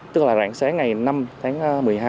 tức là rạng sáng ngày năm tháng một mươi hai